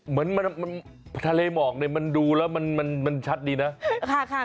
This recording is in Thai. เหมือนทะเลหมอกมันดูแล้วมันชัดดีนะ